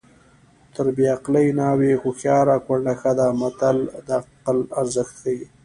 تر بې عقلې ناوې هوښیاره کونډه ښه ده متل د عقل ارزښت ښيي